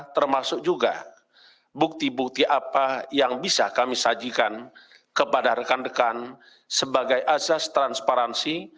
termasuk juga bukti bukti apa yang bisa kami sajikan kepada rekan rekan sebagai azas transparansi